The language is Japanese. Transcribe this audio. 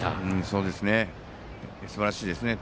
すばらしいですね。